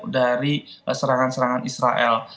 dari serangan serangan israel